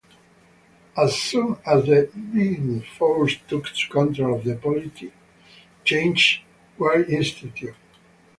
As soon as the Ming forces took control of the polity, changes were instituted.